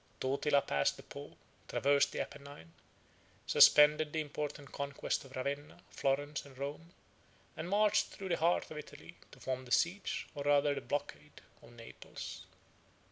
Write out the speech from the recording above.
Totila passed the Po, 6112 traversed the Apennine, suspended the important conquest of Ravenna, Florence, and Rome, and marched through the heart of Italy, to form the siege or rather the blockade, of Naples.